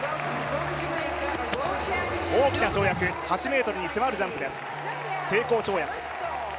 大きな跳躍、８ｍに迫るジャンプです成功跳躍。